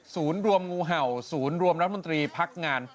รวมงูเห่าศูนย์รวมรัฐมนตรีพักงาน